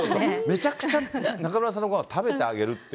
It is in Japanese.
めちゃくちゃ中村さんのごはんを食べてあげるって。